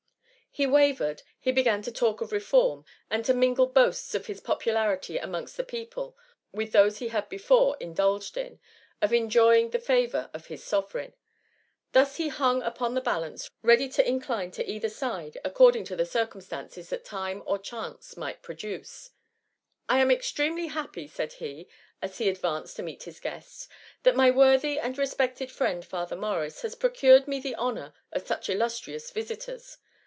He wavered, he began to talk of reform, and to mingle boasts of his popularity amongst the people, with those he had before indulged in, of enjoying the favour of his sovereign. Thus he hung upon the balance, ready to incline to either side, according to the circumstances that tiaf6 or chance might produce. *^ I am extremely happy ,^ said he, as he ad vanced to meet his guests, ^^ that my worthy and respected friend Father Morris, has pro cured me the honour of such illustrious visitors.